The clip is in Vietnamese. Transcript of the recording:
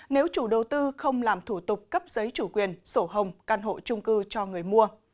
nếu chủ đầu tư không làm thủ tục cấp giấy chủ quyền sổ hồng căn hộ trung cư cho người mua